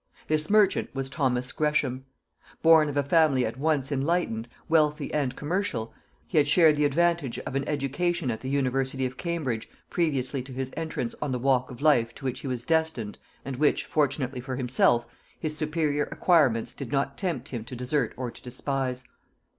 This merchant was Thomas Gresham. Born of a family at once enlightened, wealthy and commercial, he had shared the advantage of an education at the university of Cambridge previously to his entrance on the walk of life to which he was destined, and which, fortunately for himself, his superior acquirements did not tempt him to desert or to despise.